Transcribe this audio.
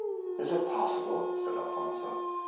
"Is it possible?" said Elfonzo.